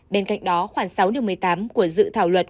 bên cạnh đó khoảng sáu điều một mươi tám của dự thảo luật